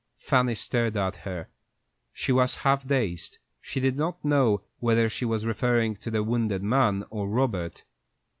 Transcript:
Fanny stared at her. She was half dazed. She did not know whether she was referring to the wounded man or Robert.